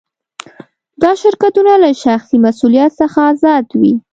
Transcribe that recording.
دا شرکتونه له شخصي مسوولیت څخه آزاد وي.